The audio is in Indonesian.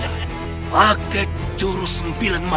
aing pakai jurus sembilan mata angin